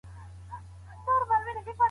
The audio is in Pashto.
تاسو به په خپل ځان کي مثبت بدلونونه راولئ.